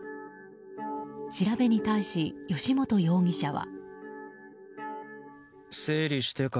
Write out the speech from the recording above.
調べに対し、吉元容疑者は。